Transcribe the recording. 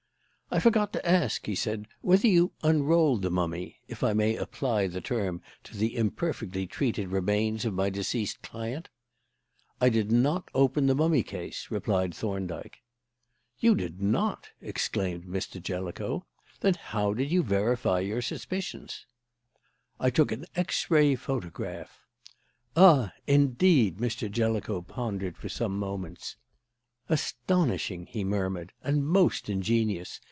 "I forgot to ask," he said, "whether you unrolled the mummy if I may apply the term to the imperfectly treated remains of my deceased client." "I did not open the mummy case," replied Thorndyke. "You did not!" exclaimed Mr. Jellicoe. "Then how did you verify your suspicions?" "I took an X ray photograph." "Ah! Indeed!" Mr. Jellicoe pondered for some moments. "Astonishing!" he murmured; "and most ingenious.